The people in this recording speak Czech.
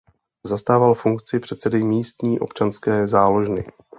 Zastával funkci předsedy místní Občanské záložny.